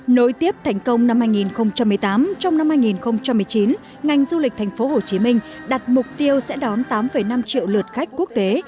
nối tiếp thành công năm hai nghìn một mươi tám trong năm hai nghìn một mươi chín ngành du lịch thành phố hồ chí minh đặt mục tiêu sẽ đón tám năm triệu lượt khách quốc tế